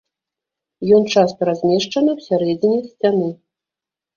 Ён часта размешчаны ў сярэдзіне сцяны.